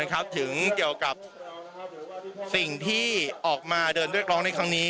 ใช่ครับแล้วก็ผมจะพูดถึงเกี่ยวกับสิ่งที่ออกมาเดินด้วยกองในครั้งนี้